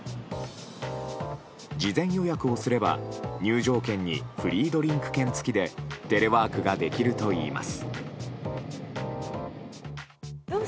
事前予約をすれば入場券にフリードリンク券付きでテレワークができるといいます。